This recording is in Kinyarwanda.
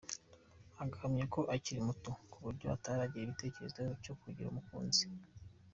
Agahamya ko akiri muto kuburyo ataragira igitekerezo cyo kugira umukunzi.